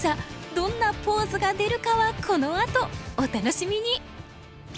どんなポーズが出るかはこのあとお楽しみに！